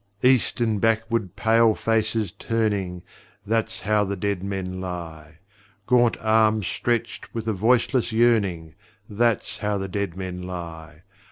East and backward pale faces turning That's how the dead men lie! Gaunt arms stretched with a voiceless yearning That's how the dead men lie!